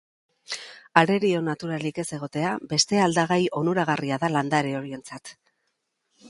Arerio naturalik ez egotea beste aldagai onuragarria da landare horientzat.